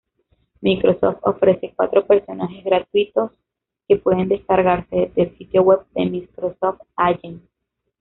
Microsoft ofrece cuatro personajes gratuitos, que pueden descargarse del sitio web de Microsoft Agent.